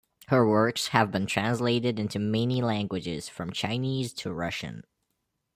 Her works have been translated into many languages from Chinese to Russian.